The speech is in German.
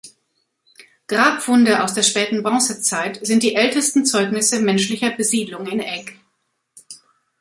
Grabfunde aus der späten Bronzezeit sind die ältesten Zeugnisse menschlicher Besiedlung in Egg.